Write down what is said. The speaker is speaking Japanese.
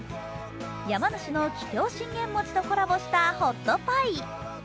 山梨の桔梗信玄餅とコラボしたホットパイ。